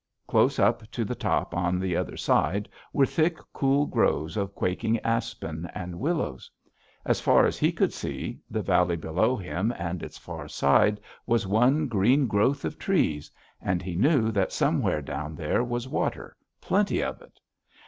Close up to the top on the other side were thick, cool groves of quaking aspen and willows; as far as he could see, the valley below him and its far side was one green growth of trees, and he knew that somewhere down there was water, plenty of it.